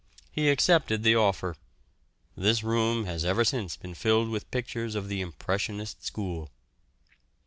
He accepted the offer. This room has ever since been filled with pictures of the impressionist school.